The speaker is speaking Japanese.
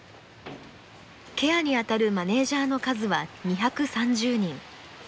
ケアにあたるマネージャーの数は２３０人。